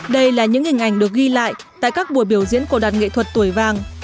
đây là những hình ảnh được ghi lại tại các buổi biểu diễn của đàn nghệ thuật tuổi vàng